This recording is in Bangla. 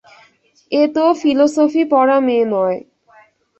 এ তো ফিলজফি-পড়া মেয়ে নয়।